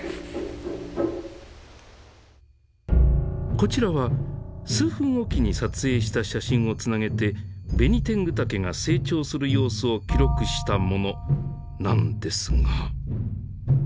こちらは数分おきに撮影した写真をつなげてベニテングタケが成長する様子を記録したものなんですが。